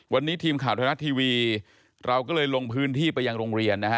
วันนี้ทีมข่าวไทยรัฐทีวีเราก็เลยลงพื้นที่ไปยังโรงเรียนนะฮะ